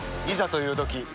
いざというとき